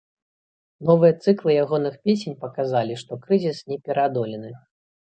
Новыя цыклы ягоных песень паказалі, што крызіс не пераадолены.